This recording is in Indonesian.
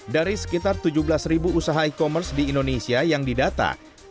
dari sekitar tujuh belas usaha e commerce di indonesia yang didata